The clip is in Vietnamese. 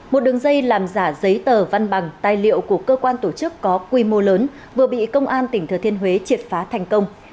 một đường dây làm giả giấy tờ văn bằng tài liệu của cơ quan tổ chức có quy mô lớn vừa bị công an tp hcm triệt phá thành công